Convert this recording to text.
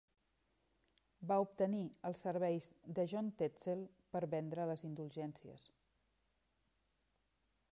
Va obtenir els serveis de John Tetzel per vendre les indulgències.